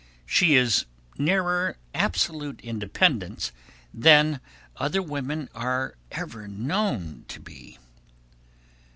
She is nearer absolute independence than other women are ever known to be.